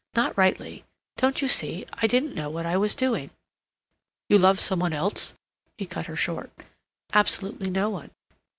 "Not rightly. Don't you see, I didn't know what I was doing?" "You love some one else?" he cut her short. "Absolutely no one."